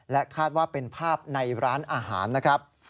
คาดว่าเป็นภาพในร้านอาหารนะครับ